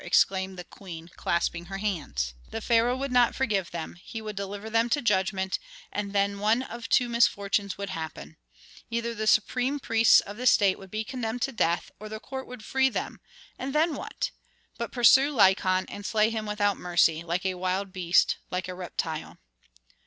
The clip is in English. exclaimed the queen, clasping her hands. "The pharaoh would not forgive them, he would deliver them to judgment, and then one of two misfortunes would happen. Either the supreme priests of the state would be condemned to death, or the court would free them. And then what? But pursue Lykon and slay him without mercy, like a wild beast like a reptile."